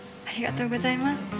ありがとうございます